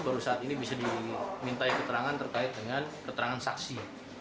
baru saat ini bisa diminta keterangan terkait dengan keterangan saksi